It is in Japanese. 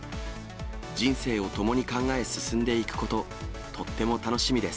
人生を共に考え進んでいくこと、とっても楽しみです！